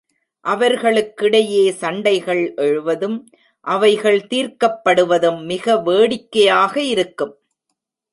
அவர்களுக்கிடையே சண்டைகள் எழுவதும், அவைகள் தீர்க்கப்படுவதும் மிக வேடிக்கையாக இருக்கும்.